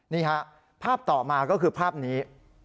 นี่ฮะภาพต่อมาก็คือภาพนี้